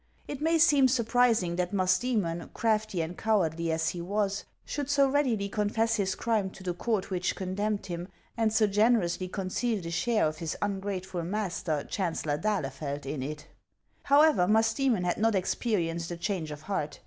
It may seem surprising that Musdoemon, crafty and cowardly as he was, should so readily confess his crime to the court which condemned him, and so generously conceal the share of his ungrateful master, Chancellor d'Ahlefeld, in it. However, Musdcemon had not experienced a change of heart.